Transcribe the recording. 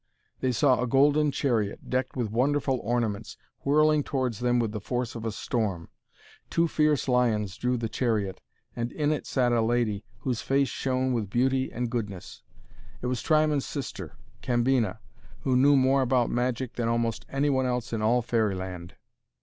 They saw a golden chariot, decked with wonderful ornaments, whirling towards them with the force of a storm. Two fierce lions drew the chariot, and in it sat a lady, whose face shone with beauty and goodness. It was Triamond's sister, Cambina, who knew more about magic than almost any one else in all Fairyland.